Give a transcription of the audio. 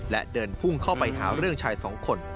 และเดินพุ่งเข้าไปหาเรื่องชายสองคน